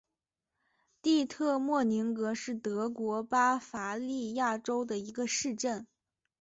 蒂特莫宁格是德国巴伐利亚州的一个市镇。